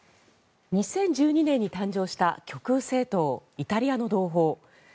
２０１２年に誕生した極右政党、イタリアの同胞。